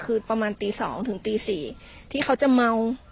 คือประมาณตี๒ถึงตี๔ที่เขาจะเมา